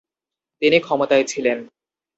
তিনি ক্ষমতায় ছিলেন।